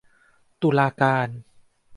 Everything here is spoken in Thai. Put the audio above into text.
ตุลาการ